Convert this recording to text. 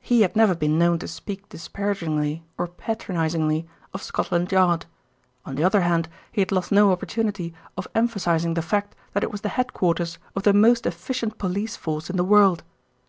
He had never been known to speak disparagingly, or patronisingly, of Scotland Yard. On the other hand, he lost no opportunity of emphasising the fact that it was the head quarters of the most efficient police force in the world.